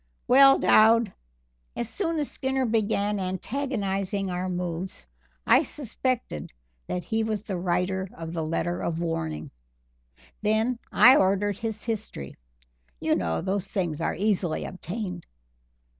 "Well, Dowd, as soon as Skinner began antagonizing our moves, I suspected that he was the writer of the letter of warning. Then I ordered his history you know those things are easily obtained.